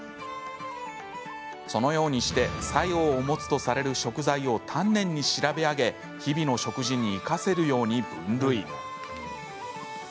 そのようにして作用を持つとされる食材を丹念に調べ上げ日々の食事に生かせるように分類。